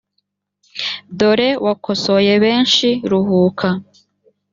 dore wakosoye benshi ruhuka